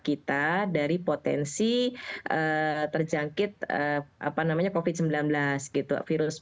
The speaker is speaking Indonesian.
kita dari potensi terjangkit covid sembilan belas gitu